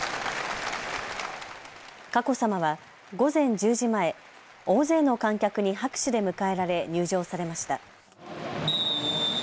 佳子さまは午前１０時前大勢の観客に拍手で迎えられ入場されました。